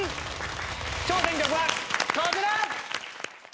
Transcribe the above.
挑戦曲はこちら！